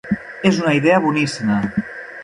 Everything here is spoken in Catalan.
És una idea boníssima!